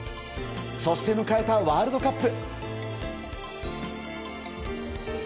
そして迎えたワールドカップ。